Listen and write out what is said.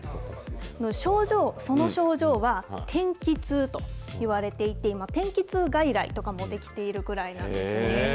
症状、その症状は天気痛といわれていて、今、天気痛外来とかも出来ているぐらいなんですね。